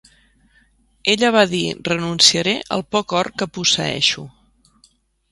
Ella va dir: 'Renunciaré al poc or que posseeixo.